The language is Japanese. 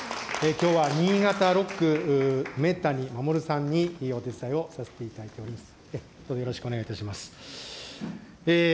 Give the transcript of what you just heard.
きょうは新潟六区、まもるさんにお手伝いをさせていただいております。